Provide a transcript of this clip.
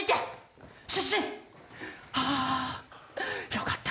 よかった！